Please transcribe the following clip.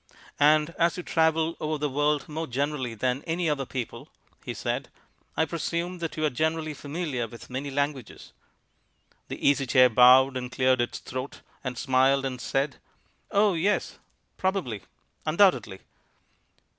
"And as you travel over the world more generally than any other people," he said, "I presume that you are generally familiar with many languages." The Easy Chair bowed, and cleared its throat, and smiled, and said, "Oh yes probably undoubtedly."